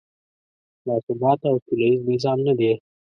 باثباته او سولیز نظام نه دی.